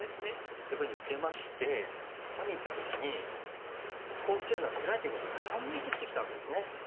こういうふうに受けましてここにいった時にこう受けるのはつらいということで反撃してきたわけですね。